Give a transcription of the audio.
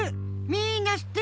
みんなしってる。